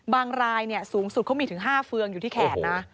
บางลายสูงสุดก็มีถึง๕เฟืองอยู่ที่แขน